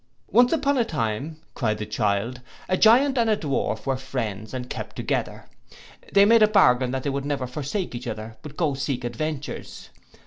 '. 'Once upon a time,' cried the child, 'a Giant and a Dwarf were friends, and kept together. They made a bargain that they would never forsake each other, but go seek adventures.